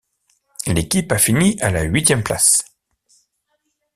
L’équipe a fini à la huitième place.